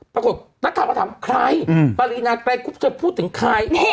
ปรากฏแล้วถามใครปริมาณใกล้พูดถึงใคร